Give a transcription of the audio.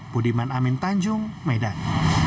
budiman amin tanjung medan